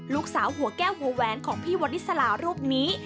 ลูกสาวหัวแก้วหัวแหวนของพี่วริสลารูปนี้